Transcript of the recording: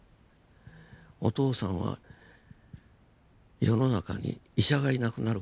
お父さんは世の中に医者がいなくなる事を願ってんだと。